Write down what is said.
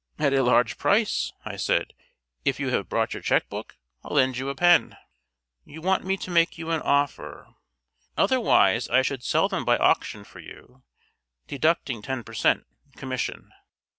"At a large price," I said. "If you have brought your cheque book I'll lend you a pen." "You want me to make you an offer? Otherwise I should sell them by auction for you, deducting ten per cent. commission."